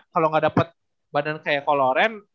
kalo gak dapet badan kayak coloren